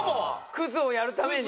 クズをやるために。